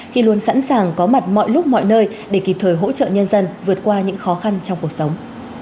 khi luôn sẵn sàng có mặt mọi lúc mọi nơi để kịp thời hỗ trợ nhân dân vượt qua những khó khăn trong cuộc sống